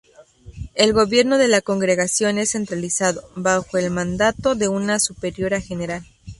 El gobierno de la congregación es centralizado, bajo el mandato de una superiora general.